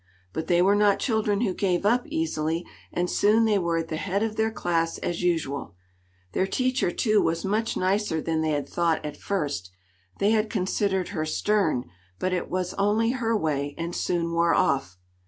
But they were not children who gave up easily, and soon they were at the head of their class as usual. Their teacher, too, was much nicer than they had thought at first. They had considered her stern, but it was only her way, and soon wore off.